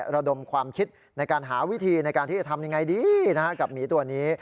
ระดมความคิดในการหาวิธีในการที่จะทำยังไงดีกับหมีตัวนี้